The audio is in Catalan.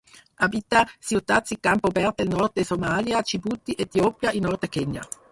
Habita ciutats i camp obert del nord de Somàlia, Djibouti, Etiòpia i nord de Kenya.